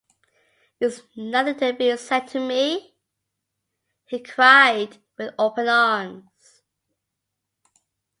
‘Is nothing to be said to me?’ he cried, with open arms.